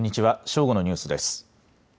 正午のニュースです。